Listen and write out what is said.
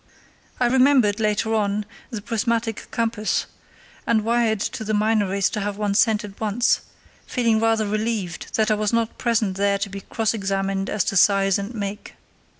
I remembered, later on, the prismatic compass, and wired to the Minories to have one sent at once, feeling rather relieved that I was not present there to be cross examined as to size and make.